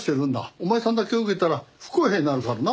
お前さんだけ受けたら不公平になるからな。